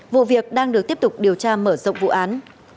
vụ việc đang được tiếp tục điều tra mở rộng vụ án